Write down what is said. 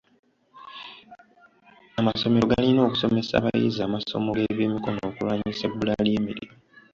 Amasomero galina okusomesa abayizi amasomo g'ebyemikono okulwanyisa ebbula ly'emirimu.